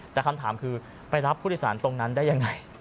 แต่คำถามคือไปรับผู้โดยสารตรงนั้นได้ยังไง